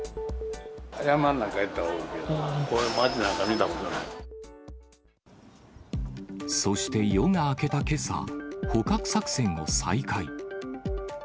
山に行ったらおるけど、そして夜が明けたけさ、捕獲作戦を再開。